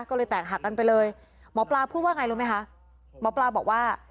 ก็เลยแตกหักกันไปเลยหมอปลาพูดว่าไงรู้ไหมคะหมอปลาบอกว่า